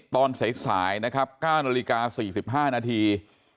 ตอนสายนะครับ๙นาฬิกา๔๕นาที